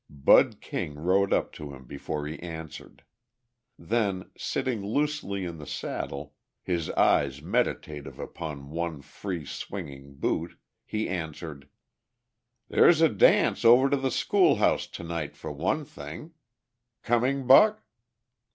Bud King rode up to him before he answered. Then, sitting loosely in the saddle, his eyes meditative upon one free, swinging boot, he answered. "There's a dance over to the school house tonight, for one thing. Coming, Buck?"